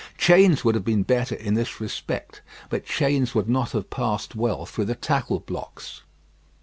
Chains would have been better in this respect, but chains would not have passed well through the tackle blocks.